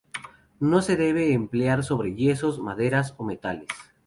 No se debe emplear sobre yesos, maderas o metales.